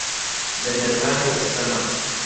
لە نەرمان و ئەستەما